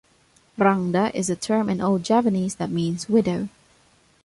Rangda is a term in old Javanese that means "widow".